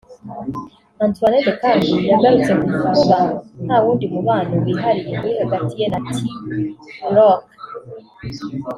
Antoinette kandi yagarutse ku kuba ntawundi mubano wihariye uri hagati ye na T Rock